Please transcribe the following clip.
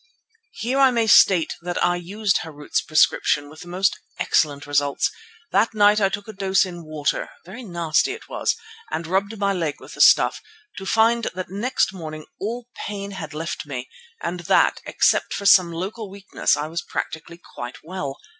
Here I may state that I used Harût's prescription with the most excellent results. That night I took a dose in water, very nasty it was, and rubbed my leg with the stuff, to find that next morning all pain had left me and that, except for some local weakness, I was practically quite well.